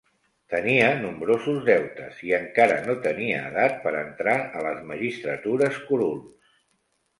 Tenia nombrosos deutes i encara no tenia edat per entrar a les magistratures curuls.